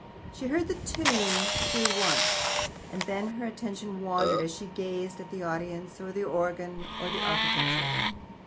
She heard the tune through once, and then her attention wandered, and she gazed at the audience, or the organ, or the architecture.